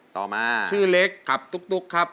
ต่อมาชื่อเล็กขับตุ๊กครับ